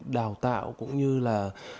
đào tạo cũng như là